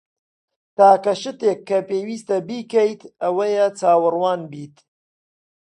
تاکە شتێک کە پێویستە بیکەیت ئەوەیە چاوەڕوان بیت.